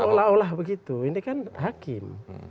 seolah olah begitu ini kan hakim